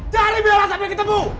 cari bella sampai ketemu